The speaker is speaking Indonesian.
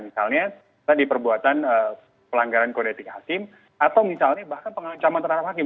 misalnya tadi perbuatan pelanggaran kode etik hakim atau misalnya bahkan pengencaman terhadap hakim